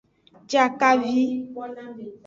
Jakavi.